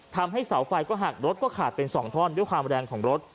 ทำให้เสาไฟก็หักรถก็ขาดเป็น๒ท่อนด้วยความแรงของรถ